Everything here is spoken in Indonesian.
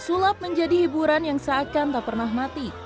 sulap menjadi hiburan yang seakan tak pernah mati